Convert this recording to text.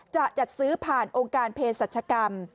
จะจัดซื้อผ่านองค์การเพศรัชกรรม